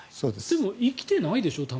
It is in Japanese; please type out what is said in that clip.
でも、卵って生きてないでしょ？